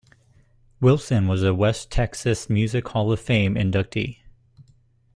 Wilson was a West Texas Music Hall Of Fame Inductee.